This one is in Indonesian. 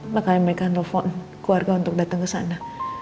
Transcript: makanya mereka nelfon keluarga untuk dateng kesana